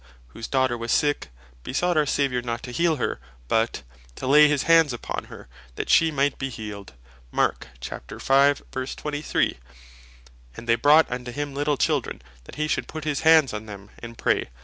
whose daughter was sick, besought our Saviour (not to heal her, but) "to Lay his Hands upon her, that shee might bee healed." And (Matth. 19.13.) "they brought unto him little children, that hee should Put his Hands on them, and Pray."